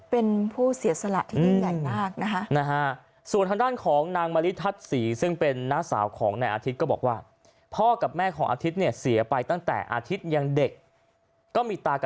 เป็นผู้เสียสละที่ยิ่งใหญ่มากนะฮะ